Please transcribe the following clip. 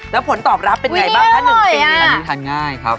แล้วผลตอบรับเป็นไงบ้างคะ๑ปีอันนี้ทานง่ายครับ